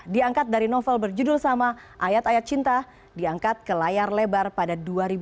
diangkat dari novel berjudul sama ayat ayat cinta diangkat ke layar lebar pada dua ribu dua